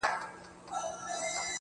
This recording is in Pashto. شېرينې ستا په تصور کي چي تصوير ورک دی,